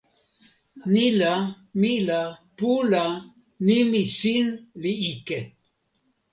ni la, mi la, pu la, nimi sin li ike.